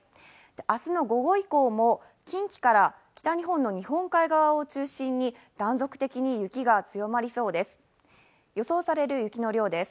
明日の午後以降も近畿から北日本の日本海側を中心に断続的に雪が強まりそうです。